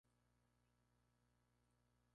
Combina casas antiguas con construcciones nuevas.